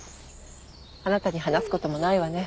あなたに話す事もないわね。